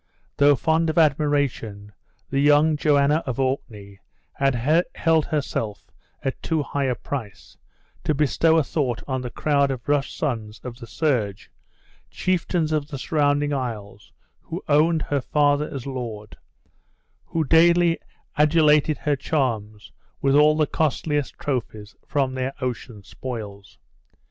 Though fond of admiration, the young Joanna of Orkney had held herself at too high a price, to bestow a thought on the crowd of rough sons of the surge (chiefs of the surrounding isles, who owned her father as lord), who daily adulated her charms with all the costliest trophies from their ocean spoils.